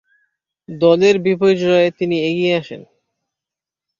দলের বিপর্যয়ে তিনি এগিয়ে আসেন।